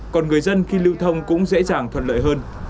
còn người dân khi lưu thông cũng dễ dàng thuận lợi hơn